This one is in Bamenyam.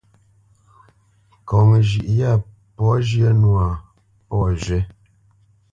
Ŋkɔŋ zhʉ̌ʼ yâ pɔ̌ zhyə̄ nwâ, pɔ̌ zhywí wé.